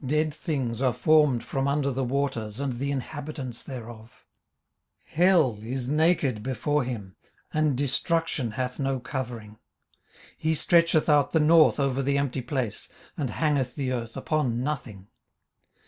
18:026:005 Dead things are formed from under the waters, and the inhabitants thereof. 18:026:006 Hell is naked before him, and destruction hath no covering. 18:026:007 He stretcheth out the north over the empty place, and hangeth the earth upon nothing.